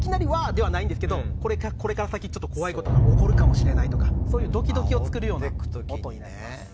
ではないんですけどこれから先に怖いことが起こるかもしれないとかそういうドキドキを作る音です。